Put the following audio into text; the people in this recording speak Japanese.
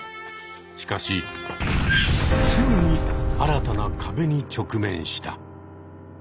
しかしすぐに新たな壁に直面した。